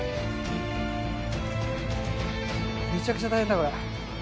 めちゃくちゃ大変だ、これ。